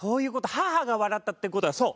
母が笑ったっていう事はそう！